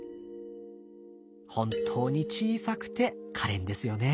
本当に小さくてかれんですよね。